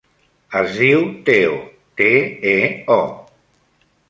Es diu Teo: te, e, o.